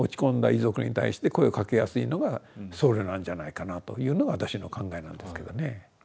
遺族に対して声をかけやすいのが僧侶なんじゃないかなというのが私の考えなんですけどね。